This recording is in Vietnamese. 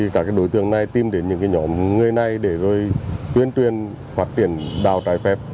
các đối tượng này tìm đến những nhóm người này để tuyên truyền phát triển đào trái phép